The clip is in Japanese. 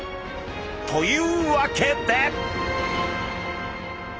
というわけで！